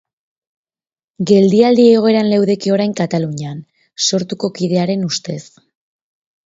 Geldialdi egoeran leudeke orain Katalunian Sortuko kidearen ustez.